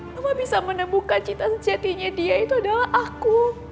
mama bisa menemukan cita citinya dia itu adalah aku